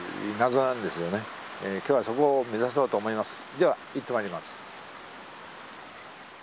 では行ってまいります。